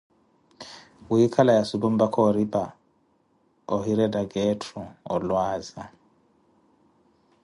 wiikhala ya supu mpaka oripa ohirettaka etthu olwaaza.